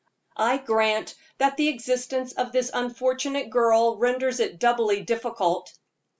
I grant that the existence of this unfortunate girl renders it doubly difficult.